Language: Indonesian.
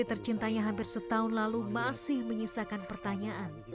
yang tercintanya hampir setahun lalu masih menyisakan pertanyaan